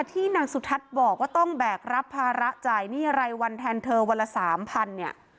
ที่นางสุทัศน์บอกว่าต้องแบกรับภาระจ่ายหนี้รายวันแทนเธอวันละ๓๐๐เนี่ย